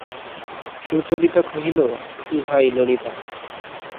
সুচরিতা কহিল, কী ভাই ললিতা!